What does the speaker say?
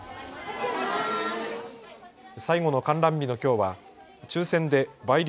最後の観覧日のきょうは抽せんで倍率